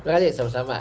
terima kasih sama sama